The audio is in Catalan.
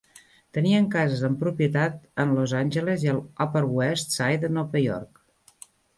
Tenien cases en propietat en Los Angeles i a l'Upper West Side de Nova York.